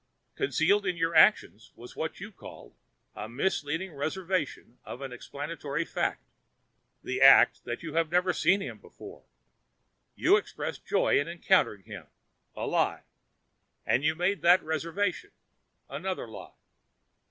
Concealed in your actions was what you have called "a misleading reservation of an explanatory fact"—the act that you had never seen him before. You expressed joy in encountering him—a lie; and you made that reservation—another lie.